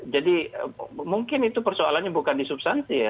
jadi mungkin itu persoalannya bukan di substansi ya